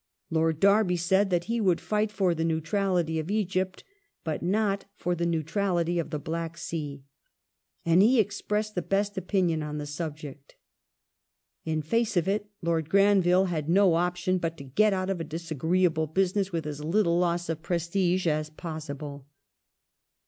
Lord Derby said that " he would fight for the neutrality of Egypt, but not for the neutrality of the Black Sea ".^ And he expressed the best opinion on the subject. In face of it, Lord Granville had no option but to get out of a disagreeable business with as little loss of prestige as possible.